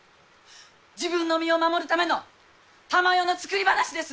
自分の身を守るための珠世の作り話です！